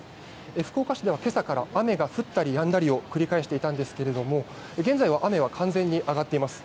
福岡市では今朝から降ったりやんだりを繰り返していたんですが現在は雨は完全に上がっています。